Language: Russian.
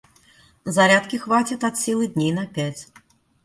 Зарядки хватит от силы дней на пять.